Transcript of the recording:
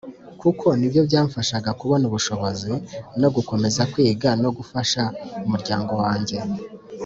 kuko ni byo byamfashaga kubona ubushobozi bwo gukomeza kwiga no gufasha umuryango wange.